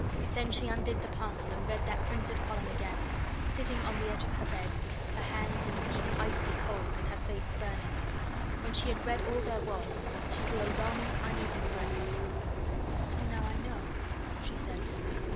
Then she undid the parcel and read that printed column again, sitting on the edge of her bed, her hands and feet icy cold and her face burning. When she had read all there was, she drew a long, uneven breath. "So now I know," she said.